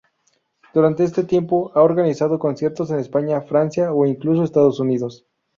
Durante este tiempo, ha organizado conciertos en España, Francia o incluso Estados Unidos.